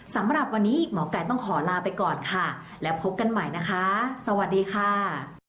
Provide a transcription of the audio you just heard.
สำหรับวันนี้หมอไก่ต้องขอลาไปก่อนค่ะแล้วพบกันใหม่นะคะสวัสดีค่ะ